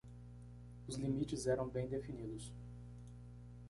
Os limites eram bem definidos.